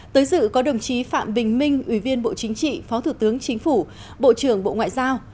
tới dự có đồng chí phạm bình minh ủy viên bộ chính trị phó thủ tướng chính phủ bộ trưởng bộ ngoại giao